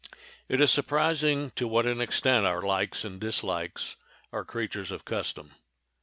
It is surprising to what an extent our likes and dislikes are creatures of custom.